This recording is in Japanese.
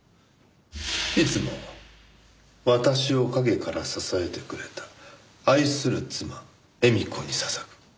「いつも私を影から支えてくれた愛する妻・絵美子に捧ぐ」